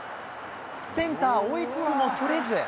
センター追いつくも捕れず。